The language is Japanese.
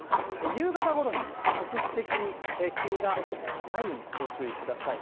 夕方ごろに局地的に急な雷雨にご注意ください。